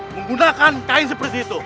menggunakan kain seperti itu